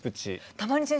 たまに先生